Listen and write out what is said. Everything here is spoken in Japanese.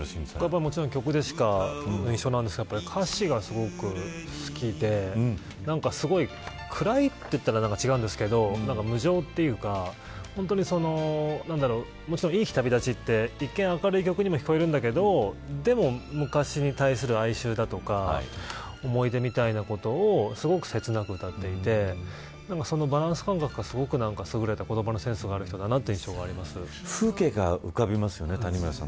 もちろん曲の印象なんですが歌詞がすごく好きですごい暗いって言ったら違うんですけど無常というかもちろん、いい日旅立ちって一見明るい曲にも聞こえるんだけどでも、昔に対する哀愁だとか思い出みたいなことをすごく切なく歌っていてそのバランス感覚がすごくすぐれたセンスのある方だという印象があります。